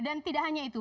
dan tidak hanya itu